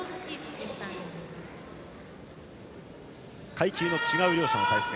階級の違う両者の対戦。